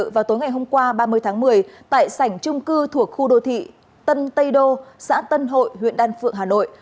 vào tối ngày hôm qua ba mươi tháng một mươi tại sảnh trung cư thuộc khu đô thị tân tây đô xã tân hội huyện đan phượng hà nội